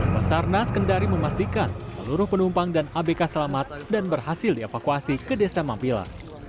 basarnas kendari memastikan seluruh penumpang dan abk selamat dan berhasil dievakuasi ke desa mampila